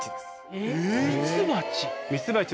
・ミツバチ？